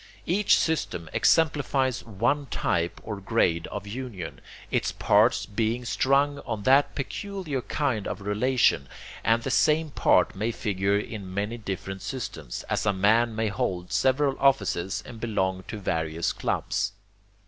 Each system exemplifies one type or grade of union, its parts being strung on that peculiar kind of relation, and the same part may figure in many different systems, as a man may hold several offices and belong to various clubs.